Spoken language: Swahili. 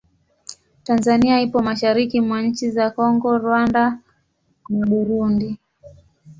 Tanzania ipo mashariki mwa nchi za Kongo, Rwanda na Burundi.